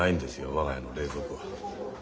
我が家の冷蔵庫は。